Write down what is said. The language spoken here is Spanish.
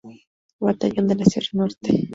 Batallón de la Sierra Norte.